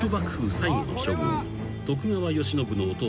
最後の将軍徳川慶喜の弟